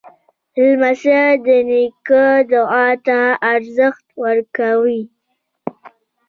لمسی د نیکه دعا ته ارزښت ورکوي.